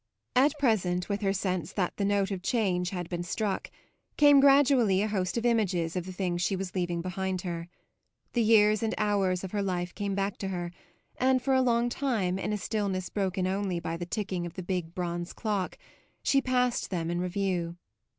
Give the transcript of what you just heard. At present, with her sense that the note of change had been struck, came gradually a host of images of the things she was leaving behind her. The years and hours of her life came back to her, and for a long time, in a stillness broken only by the ticking of the big bronze clock, she passed them in review.